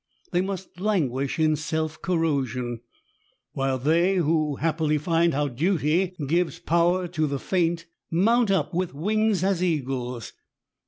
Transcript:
They must languish in self corrosion ; while they who happily find how Duty gives power to the faint," ^' mount up with wings as eagles.'